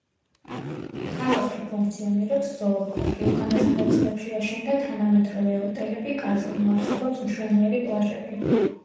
ქალაქში ფუნქციონირებს ზოოპარკი, უკანასკნელ წლებში აშენდა თანამედროვე ოტელები, კაზინო, არსებობს მშვენიერი პლაჟები.